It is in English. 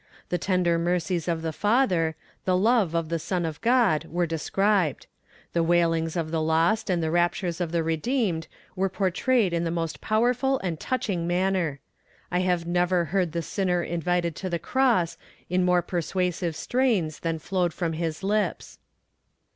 The tender mercies of the Father, the love of the Son of God, were described; the wailings of the lost and the raptures of the redeemed were portrayed in the most powerful and touching manner. I have never heard the sinner invited to the cross in more persuasive strains than flowed from his lips.